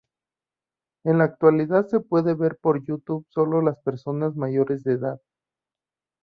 En la actualidad se puede ver por YouTube solo las personas mayores de edad.